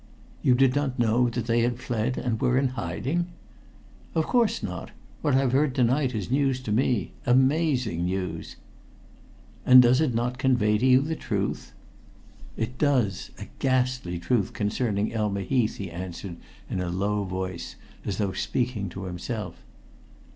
"You did not know that they had fled, and were in hiding?" "Of course not. What I've heard to night is news to me amazing news." "And does it not convey to you the truth?" "It does a ghastly truth concerning Elma Heath," he answered in a low voice, as though speaking to himself.